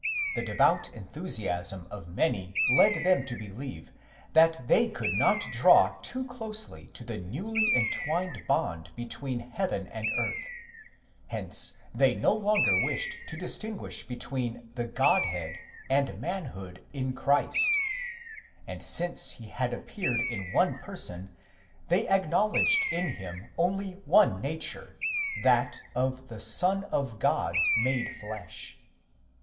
The devout enthusiasm of many led them to believe, that they could not draw too closely the newly entwined bond between heaven and earth; hence they no longer wished to distinguish between the Godhead and manhood in Christ, and since he had appeared in one person, they acknowledged in him only one nature, that of the Son of God made flesh.